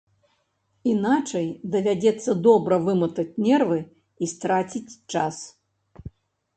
Іначай давядзецца добра выматаць нервы і страціць час.